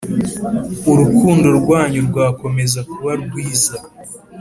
urukundo rwanyu rwakomeza kuba rwiza